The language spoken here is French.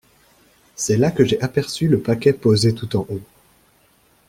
C’est là que j’ai aperçu le paquet posé tout en haut.